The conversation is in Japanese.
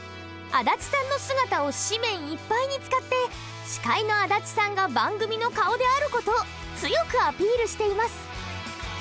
足立さんの姿を紙面いっぱいに使って司会の足立さんが番組の顔である事を強くアピールしています。